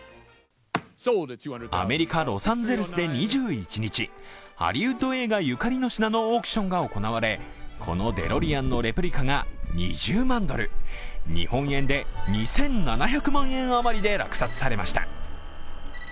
アメリカ・ロサンゼルスで２１日ハリウッド映画ゆかりの品のオークションが行われこのデロリアンのレプリカが２０万ドル、日本円で２７００万円余りで落札されました。